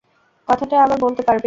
কথাটা আবার বলতে পারবে?